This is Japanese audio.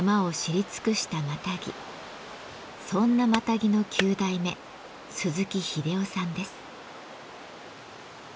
そんなマタギの９代目鈴木英雄さんです。